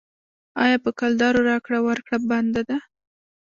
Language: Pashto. آیا په کلدارو راکړه ورکړه بنده ده؟